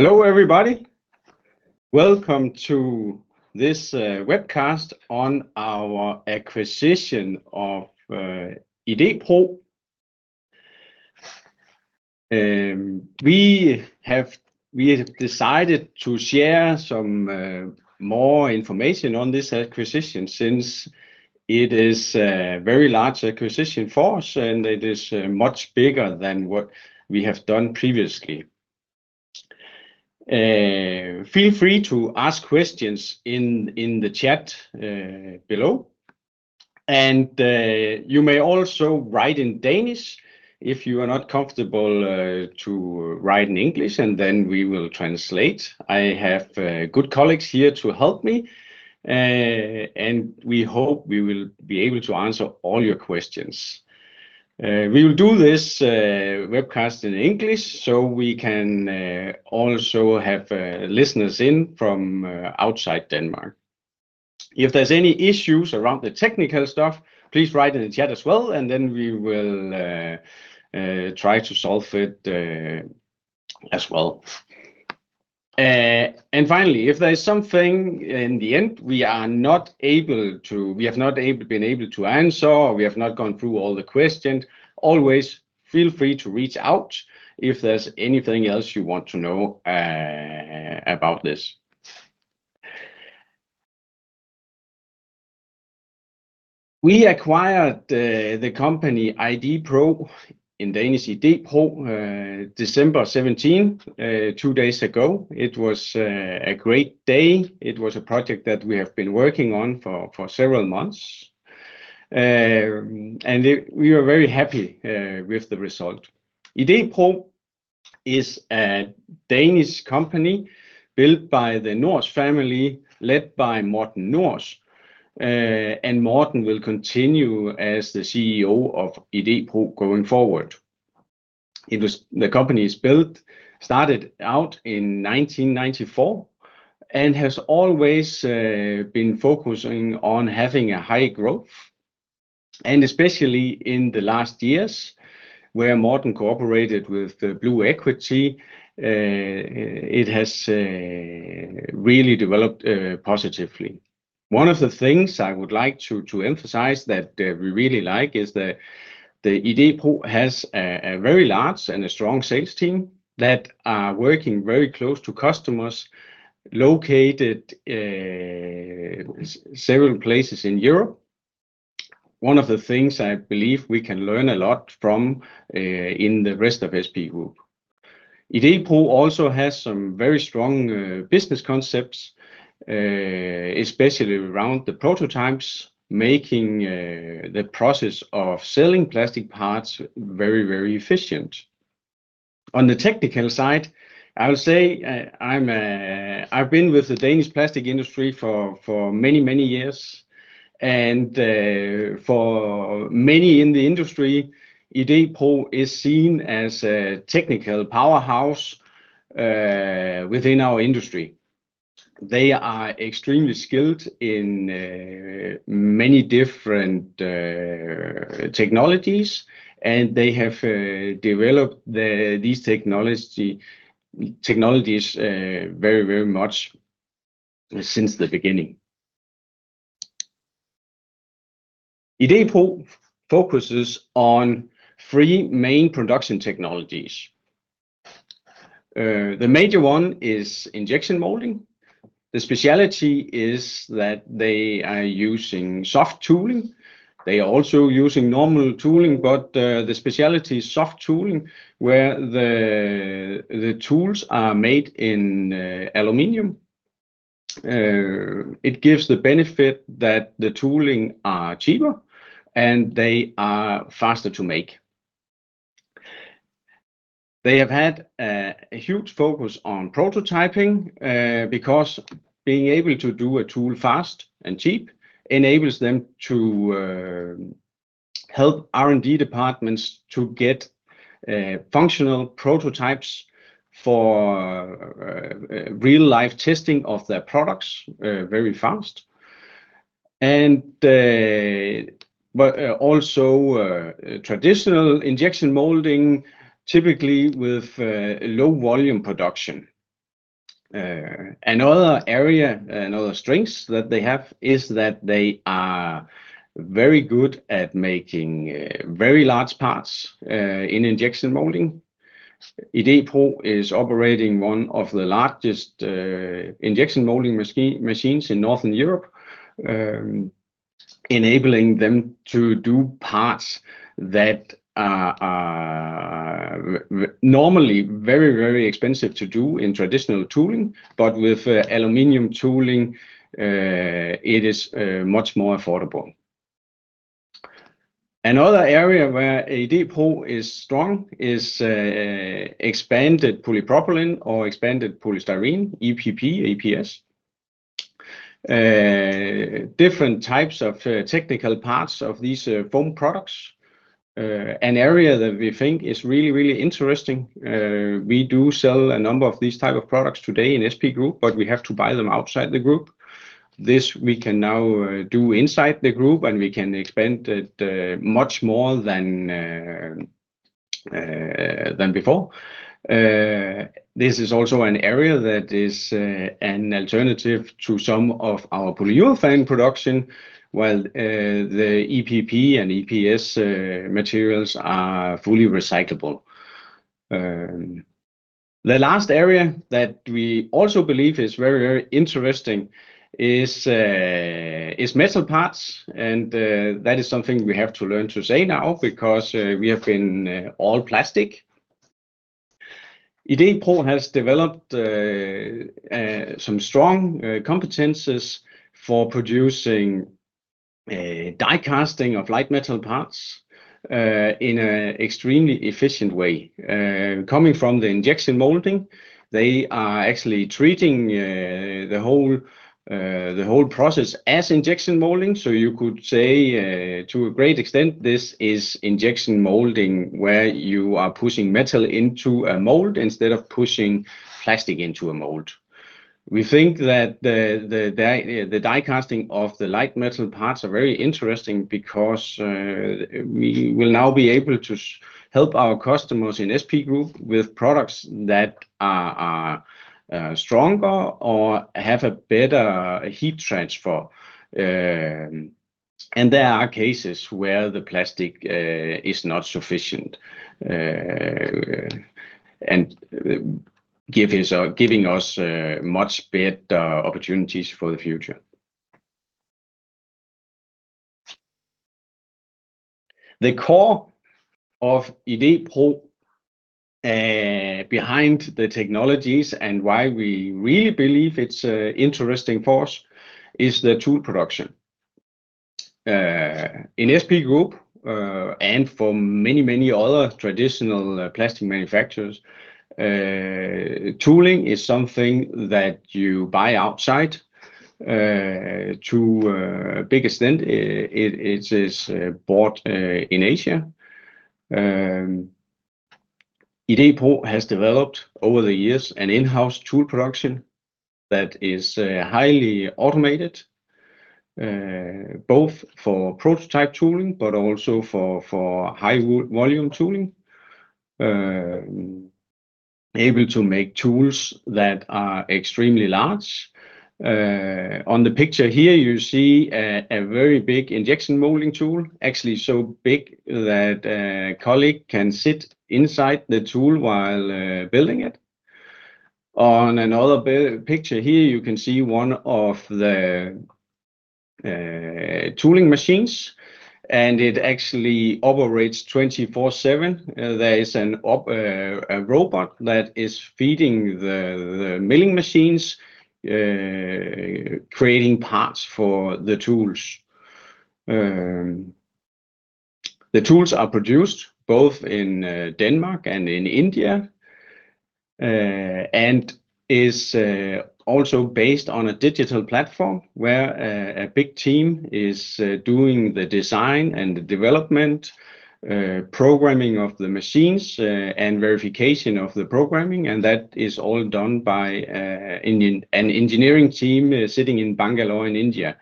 Hello, everybody. Welcome to this webcast on our acquisition of Idé-Pro. We have decided to share some more information on this acquisition since it is a very large acquisition for us, and it is much bigger than what we have done previously. Feel free to ask questions in the chat below, and you may also write in Danish if you are not comfortable to write in English, and then we will translate. I have good colleagues here to help me, and we hope we will be able to answer all your questions. We will do this webcast in English so we can also have listeners in from outside Denmark. If there's any issues around the technical stuff, please write in the chat as well, and then we will try to solve it as well. Finally, if there is something in the end we are not able to, we have not been able to answer, or we have not gone through all the questions, always feel free to reach out if there's anything else you want to know about this. We acquired the company Idé-Pro in Danish, Idé-Pro, December 17, two days ago. It was a great day. It was a project that we have been working on for several months. We are very happy with the result. Idé-Pro is a Danish company built by the Nors family, led by Morten Nors. Morten will continue as the CEO of Idé-Pro going forward. The company started out in 1994 and has always been focusing on having a high growth. Especially in the last years where Morten cooperated with Blue Equity, it has really developed positively. One of the things I would like to emphasize that we really like is that Idé-Pro has a very large and strong sales team that are working very close to customers located several places in Europe. One of the things I believe we can learn a lot from in the rest of SP Group. Idé-Pro also has some very strong business concepts, especially around the prototypes, making the process of selling plastic parts very, very efficient. On the technical side, I will say I've been with the Danish plastic industry for many, many years, and for many in the industry, Idé-Pro is seen as a technical powerhouse within our industry. They are extremely skilled in many different technologies, and they have developed these technologies very, very much since the beginning. Idé-Pro focuses on three main production technologies. The major one is injection moulding. The specialty is that they are using soft tooling. They are also using normal tooling, but the specialty is soft tooling, where the tools are made in aluminum. It gives the benefit that the tooling are cheaper, and they are faster to make. They have had a huge focus on prototyping because being able to do a tool fast and cheap enables them to help R&D departments to get functional prototypes for real-life testing of their products very fast, and also traditional injection moulding, typically with low-volume production. Another area, another strength that they have, is that they are very good at making very large parts in injection moulding. Idé-Pro is operating one of the largest injection moulding machines in Northern Europe, enabling them to do parts that are normally very, very expensive to do in traditional tooling, but with aluminum tooling, it is much more affordable. Another area where Idé-Pro is strong is expanded polypropylene or expanded polystyrene, EPP, EPS. Different types of technical parts of these foam products, an area that we think is really, really interesting. We do sell a number of these types of products today in SP Group, but we have to buy them outside the group. This we can now do inside the group, and we can expand it much more than before. This is also an area that is an alternative to some of our polyurethane production, while the EPP and EPS materials are fully recyclable. The last area that we also believe is very, very interesting is metal parts, and that is something we have to learn to say now because we have been all plastic. Idé-Pro has developed some strong competencies for producing die-casting of light metal parts in an extremely efficient way. Coming from the injection moulding, they are actually treating the whole process as injection moulding, so you could say, to a great extent, this is injection moulding, where you are pushing metal into a mold instead of pushing plastic into a mold. We think that the die-casting of the light metal parts is very interesting because we will now be able to help our customers in SP Group with products that are stronger or have a better heat transfer, and there are cases where the plastic is not sufficient and giving us much better opportunities for the future. The core of Idé-Pro behind the technologies and why we really believe it's interesting for us is the tool production. In SP Group and for many, many other traditional plastic manufacturers, tooling is something that you buy outside. To a big extent, it is bought in Asia. Idé-Pro has developed over the years an in-house tool production that is highly automated, both for prototype tooling but also for high-volume tooling, able to make tools that are extremely large. On the picture here, you see a very big injection moulding tool, actually so big that a colleague can sit inside the tool while building it. On another picture here, you can see one of the tooling machines, and it actually operates 24/7. There is a robot that is feeding the milling machines, creating parts for the tools. The tools are produced both in Denmark and in India and is also based on a digital platform where a big team is doing the design and development, programming of the machines, and verification of the programming. That is all done by an engineering team sitting in Bangalore in India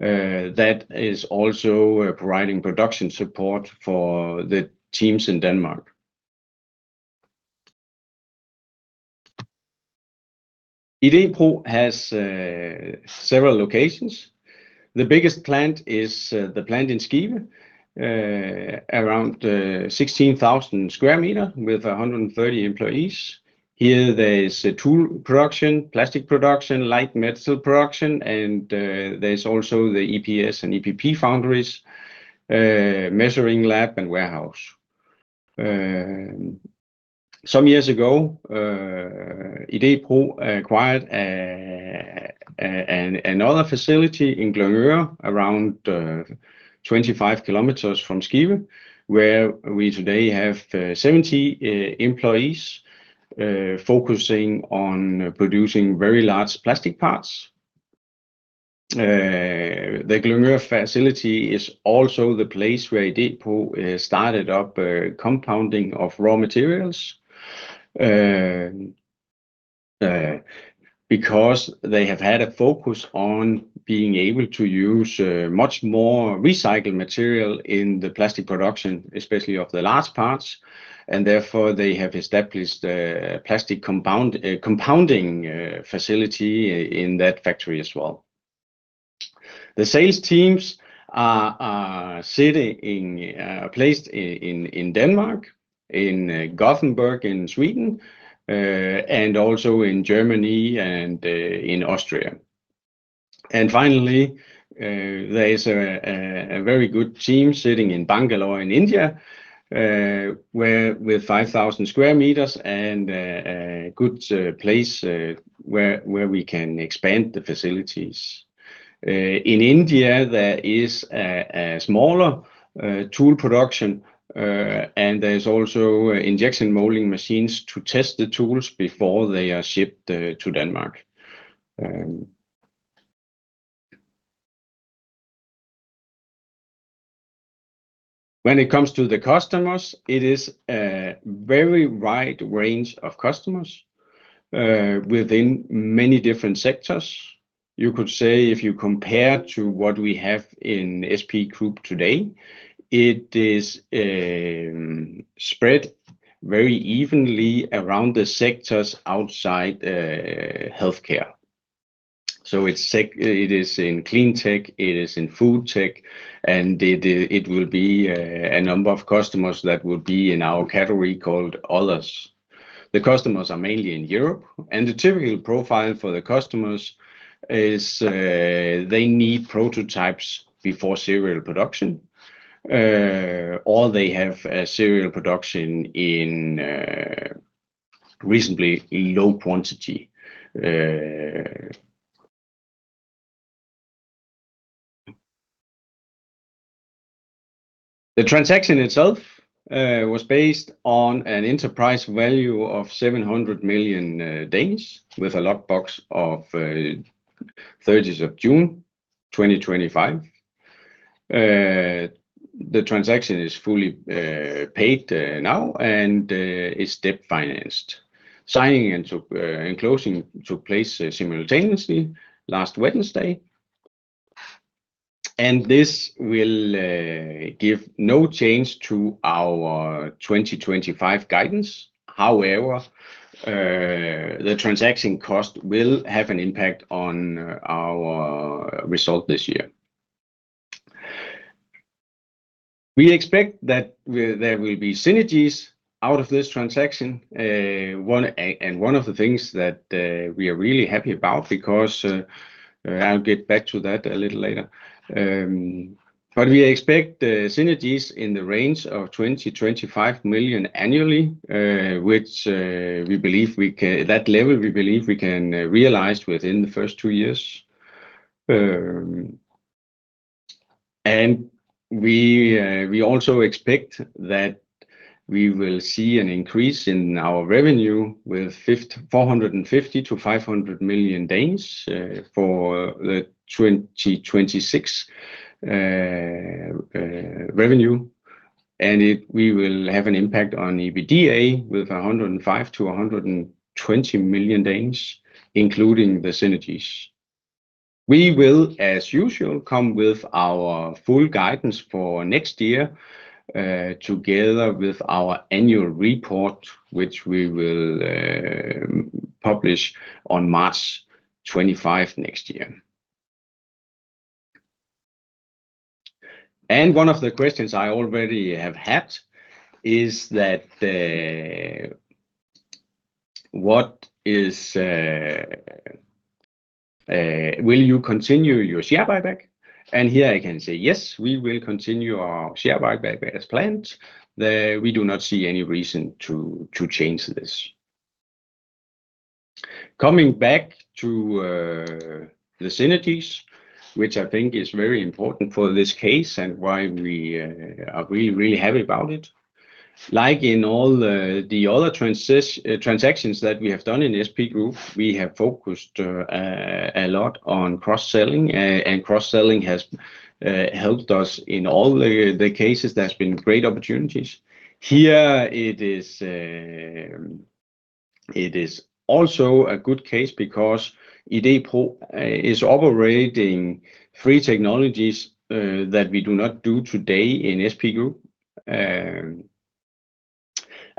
that is also providing production support for the teams in Denmark. Idé-Pro has several locations. The biggest plant is the plant in Skive, around 16,000 sq m with 130 employees. Here, there is tool production, plastic production, light metal production, and there's also the EPS and EPP foundries, measuring lab, and warehouse. Some years ago, Idé-Pro acquired another facility in Glyngøre, around 25 km from Skive, where we today have 70 employees focusing on producing very large plastic parts. The Glyngøre facility is also the place where Idé-Pro started up compounding of raw materials because they have had a focus on being able to use much more recycled material in the plastic production, especially of the large parts. Therefore, they have established a plastic compounding facility in that factory as well. The sales teams are placed in Denmark, in Gothenburg in Sweden, and also in Germany and in Austria. Finally, there is a very good team sitting in Bangalore in India, with 5,000 sq m and a good place where we can expand the facilities. In India, there is a smaller tool production, and there's also injection moulding machines to test the tools before they are shipped to Denmark. When it comes to the customers, it is a very wide range of customers within many different sectors. You could say if you compare to what we have in SP Group today, it is spread very evenly around the sectors outside healthcare. It is in cleantech, it is in foodtech, and it will be a number of customers that will be in our category called others. The customers are mainly in Europe, and the typical profile for the customers is they need prototypes before serial production, or they have serial production in reasonably low quantity. The transaction itself was based on an enterprise value of 700 million with a lockbox of 30th of June, 2025. The transaction is fully paid now and is debt financed. Signing and closing took place simultaneously last Wednesday, and this will give no change to our 2025 guidance. However, the transaction cost will have an impact on our result this year. We expect that there will be synergies out of this transaction. One of the things that we are really happy about, because I'll get back to that a little later, but we expect synergies in the range of 20 million-25 million DKK annually, which we believe we can realize at that level within the first two years. We also expect that we will see an increase in our revenue with 450 million-500 million DKK for the 2026 revenue. We will have an impact on EBITDA with 105 million-120 million DKK, including the synergies. We will, as usual, come with our full guidance for next year together with our annual report, which we will publish on March 25 next year. One of the questions I already have had is that, "Will you continue your share buyback?" Here I can say, "Yes, we will continue our share buyback as planned. We do not see any reason to change this. Coming back to the synergies, which I think is very important for this case and why we are really, really happy about it. Like in all the other transactions that we have done in SP Group, we have focused a lot on cross-selling, and cross-selling has helped us in all the cases. There have been great opportunities. Here, it is also a good case because Idé-Pro is operating free technologies that we do not do today in SP Group. And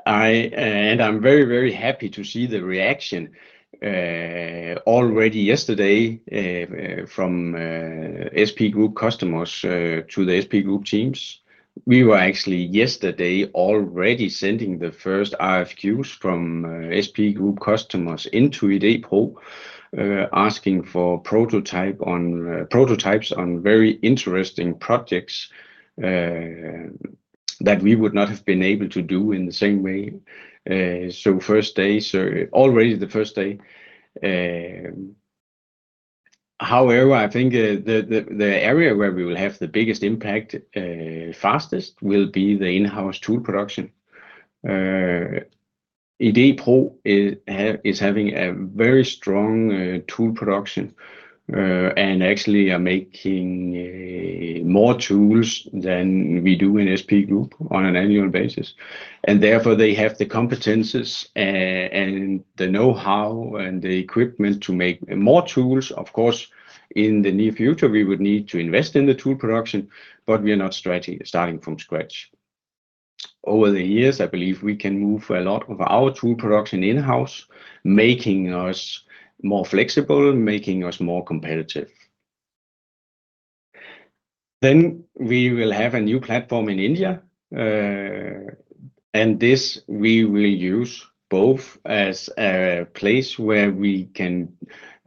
I'm very, very happy to see the reaction already yesterday from SP Group customers to the SP Group teams. We were actually yesterday already sending the first RFQs from SP Group customers into Idé-Pro, asking for prototypes on very interesting projects that we would not have been able to do in the same way. So first day, already the first day. However, I think the area where we will have the biggest impact fastest will be the in-house tool production. Idé-Pro is having a very strong tool production and actually are making more tools than we do in SP Group on an annual basis, and therefore, they have the competencies and the know-how and the equipment to make more tools. Of course, in the near future, we would need to invest in the tool production, but we are not starting from scratch. Over the years, I believe we can move a lot of our tool production in-house, making us more flexible, making us more competitive, then we will have a new platform in India, and this we will use both as a place where we can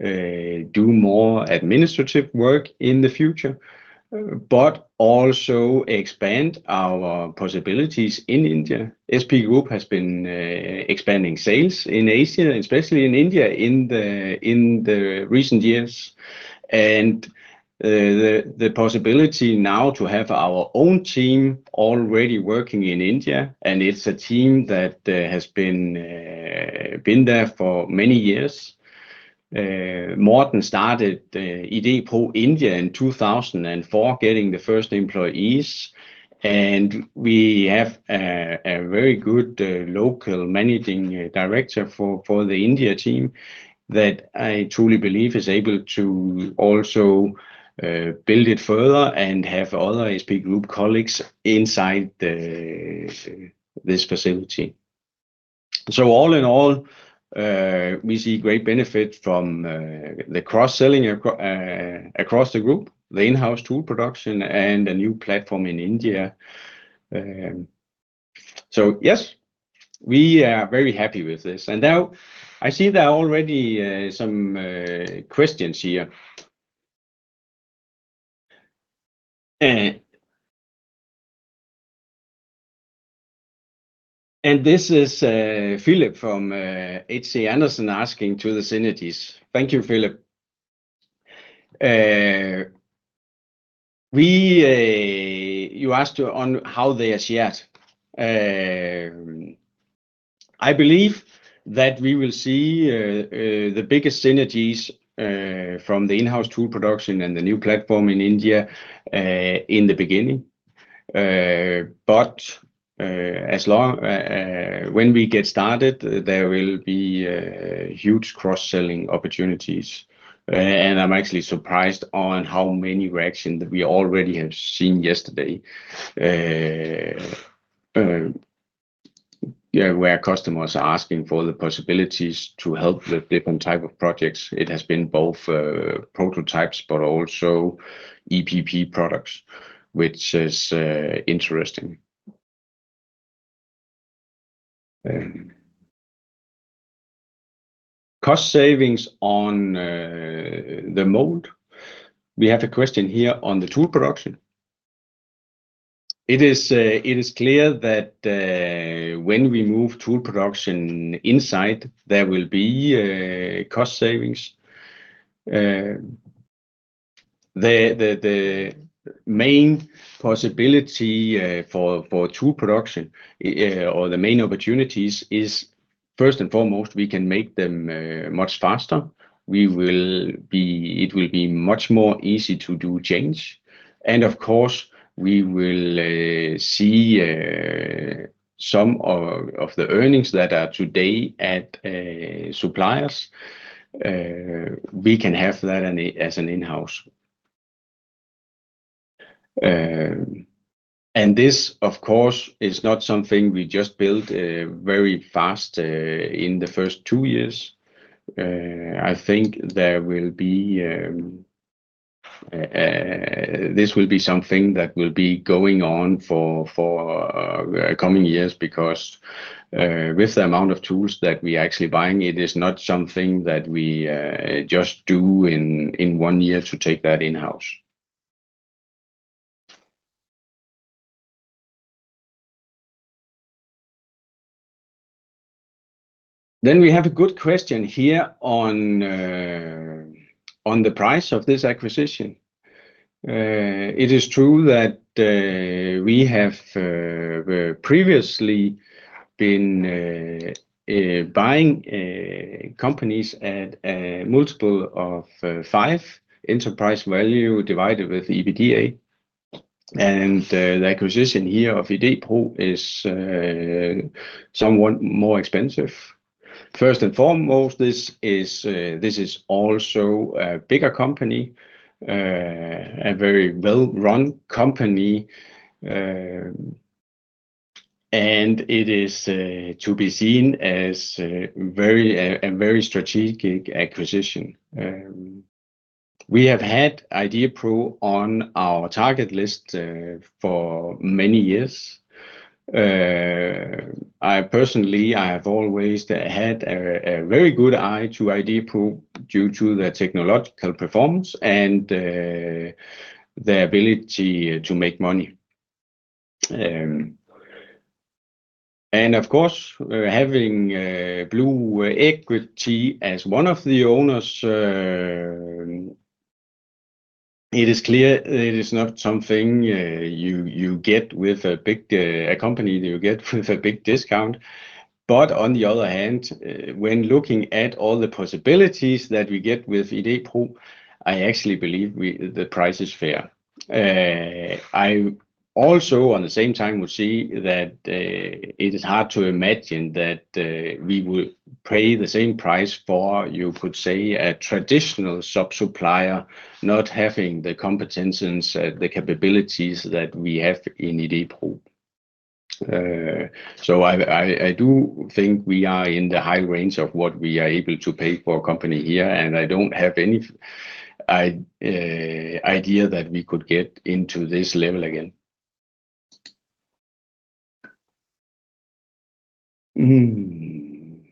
do more administrative work in the future, but also expand our possibilities in India. SP Group has been expanding sales in Asia, especially in India, in the recent years. The possibility now to have our own team already working in India, and it's a team that has been there for many years. Morten started Idé-Pro India in 2004, getting the first employees. We have a very good local managing director for the India team that I truly believe is able to also build it further and have other SP Group colleagues inside this facility. All in all, we see great benefit from the cross-selling across the group, the in-house tool production, and a new platform in India. Yes, we are very happy with this. Now I see there are already some questions here. This is Philip from HC Andersen asking to the synergies. Thank you, Philip. You asked on how they are shared. I believe that we will see the biggest synergies from the in-house tool production and the new platform in India in the beginning. But when we get started, there will be huge cross-selling opportunities. And I'm actually surprised on how many reactions we already have seen yesterday where customers are asking for the possibilities to help with different types of projects. It has been both prototypes, but also EPP products, which is interesting. Cost savings on the mold. We have a question here on the tool production. It is clear that when we move tool production inside, there will be cost savings. The main possibility for tool production or the main opportunities is, first and foremost, we can make them much faster. It will be much more easy to do change. And of course, we will see some of the earnings that are today at suppliers. We can have that as an in-house. This, of course, is not something we just built very fast in the first two years. I think this will be something that will be going on for coming years because with the amount of tools that we are actually buying, it is not something that we just do in one year to take that in-house. We have a good question here on the price of this acquisition. It is true that we have previously been buying companies at multiple of five enterprise value divided with EBITDA. The acquisition here of Idé-Pro is somewhat more expensive. First and foremost, this is also a bigger company, a very well-run company. It is to be seen as a very strategic acquisition. We have had Idé-Pro on our target list for many years. Personally, I have always had a very good eye to Idé-Pro due to the technological performance and the ability to make money. And of course, having Blue Equity as one of the owners, it is clear it is not something you get with a big company. You get with a big discount. But on the other hand, when looking at all the possibilities that we get with Idé-Pro, I actually believe the price is fair. I also, on the same time, would say that it is hard to imagine that we would pay the same price for, you could say, a traditional sub-supplier not having the competencies and the capabilities that we have in Idé-Pro. So I do think we are in the high range of what we are able to pay for a company here, and I don't have any idea that we could get into this level again. Then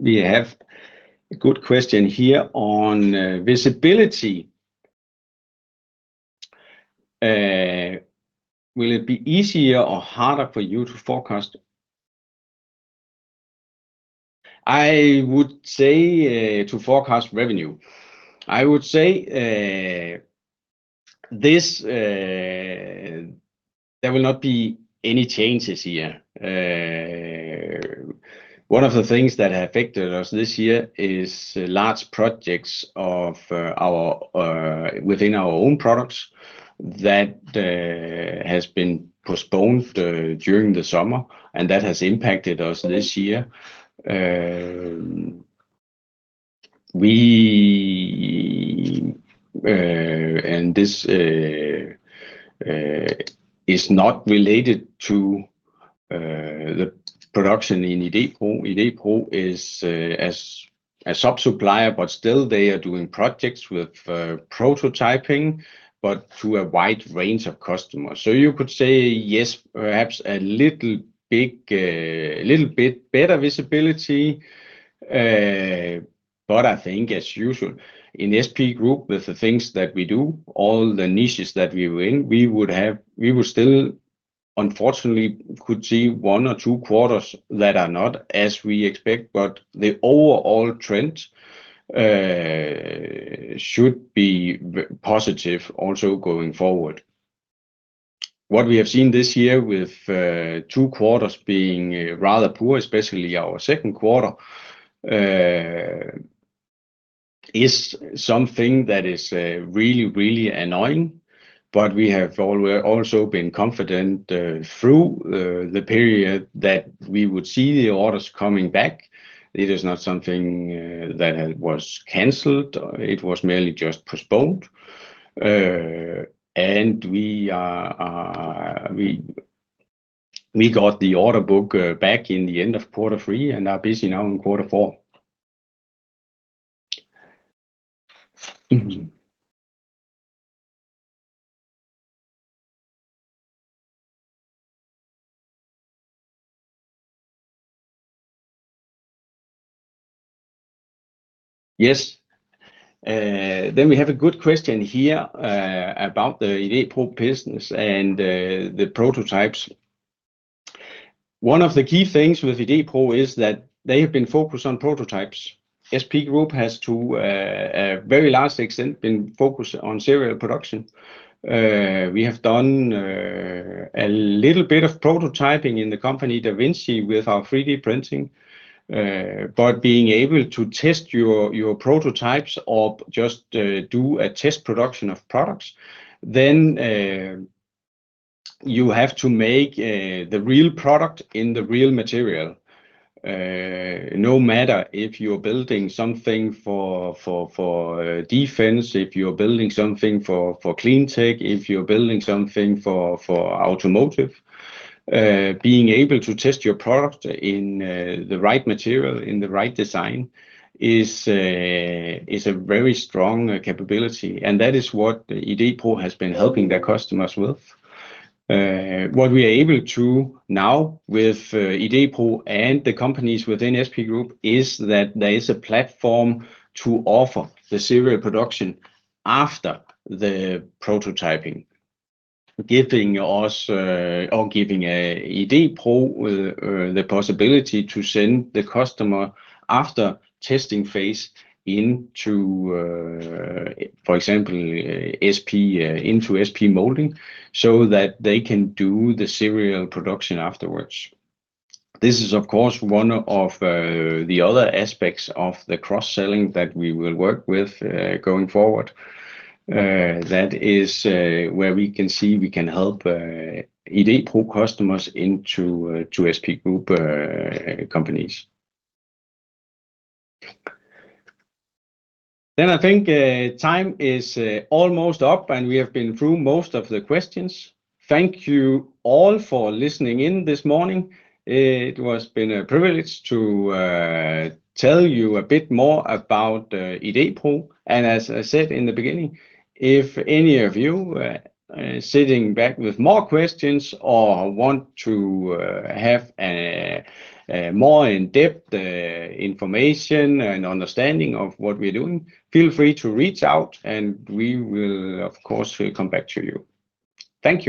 we have a good question here on visibility. Will it be easier or harder for you to forecast? I would say to forecast revenue. I would say there will not be any changes here. One of the things that have affected us this year is large projects within our own products that have been postponed during the summer, and that has impacted us this year. And this is not related to the production in Idé-Pro. Idé-Pro is a sub-supplier, but still they are doing projects with prototyping, but to a wide range of customers. So you could say, yes, perhaps a little bit better visibility. But I think, as usual, in SP Group, with the things that we do, all the niches that we are in, we would still, unfortunately, could see one or two quarters that are not as we expect. But the overall trend should be positive also going forward. What we have seen this year with two quarters being rather poor, especially our second quarter, is something that is really, really annoying. But we have also been confident through the period that we would see the orders coming back. It is not something that was canceled. It was merely just postponed. And we got the order book back in the end of quarter three and are busy now in quarter four. Yes. Then we have a good question here about the Idé-Pro business and the prototypes. One of the key things with Idé-Pro is that they have been focused on prototypes. SP Group has, to a very large extent, been focused on serial production. We have done a little bit of prototyping in the company DAVINCI with our 3D printing. But being able to test your prototypes or just do a test production of products, then you have to make the real product in the real material, no matter if you're building something for defense, if you're building something for clean tech, if you're building something for automotive. Being able to test your product in the right material, in the right design, is a very strong capability. And that is what Idé-Pro has been helping their customers with. What we are able to now with Idé-Pro and the companies within SP Group is that there is a platform to offer the serial production after the prototyping, or giving Idé-Pro the possibility to send the customer after testing phase into, for example, into SP Moulding so that they can do the serial production afterwards. This is, of course, one of the other aspects of the cross-selling that we will work with going forward. That is where we can see we can help Idé-Pro customers into SP Group companies. Then I think time is almost up, and we have been through most of the questions. Thank you all for listening in this morning. It has been a privilege to tell you a bit more about Idé-Pro. As I said in the beginning, if any of you are sitting back with more questions or want to have more in-depth information and understanding of what we are doing, feel free to reach out, and we will, of course, come back to you. Thank you.